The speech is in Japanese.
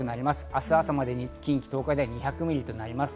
明日朝までに近畿、東海では２００ミリとなります。